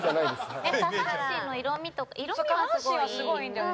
そう下半身はすごいいいんだよね。